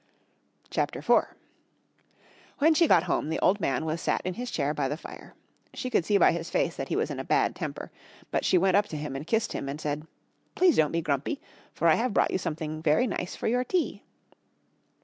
CHAPTER IV. When she got home the old man was sat in his chair by the fire. She could see by his face that he was in a bad temper. But she went up to him and kissed him and said, "Please don't be grumpy, for I have brought you something very nice for your tea."